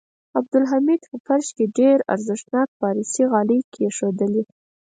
عبدالحمید په فرش کې ډېر ارزښتناکه پارسي غالۍ کېښودلې.